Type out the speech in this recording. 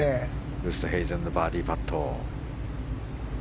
ウーストヘイゼンのバーディーパット。